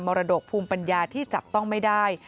รดกภูมิปัญญาที่จับต้องไม่ได้